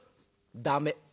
「駄目。